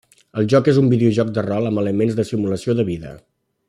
El joc és un videojoc de rol amb elements de simulació de vida.